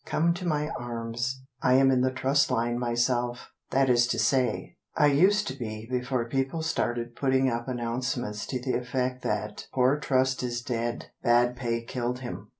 Come to my arms; I am in the Trust line myself That is to say, I used to be Before people started putting up announcements To the effect that "Poor Trust is dead, Bad pay killed him."